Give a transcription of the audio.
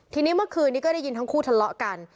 ทีนี้เมื่อคืนนี้ก็ได้ยินทั้งคู่ทะเลาะกัน